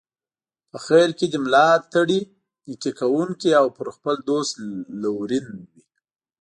په خیر کې دي ملاتړی، نیکي کوونکی او پر خپل دوست لورین وي.